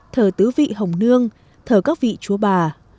thở tứ vị hồng nương thở các vị chúa bà